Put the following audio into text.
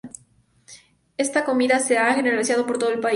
Esta comida ya se ha generalizado por todo el país.